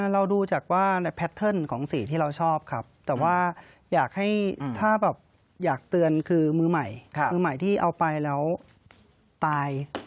เราดูจากว่าในแพทเทิร์นของสีที่เราชอบครับแต่ว่าอยากให้ถ้าแบบอยากเตือนคือมือใหม่มือใหม่ที่เอาไปแล้วตาย